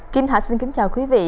kim thảo xin kính chào quý vị